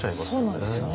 そうなんですよね。